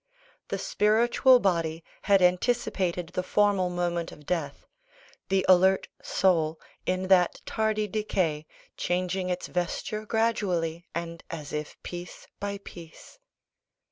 The spiritual body had anticipated the formal moment of death; the alert soul, in that tardy decay, changing its vesture gradually, and as if piece by piece.